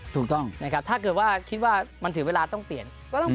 ถ้าเกิดว่าคิดว่ามันถือเวลาต้องเปลี่ยน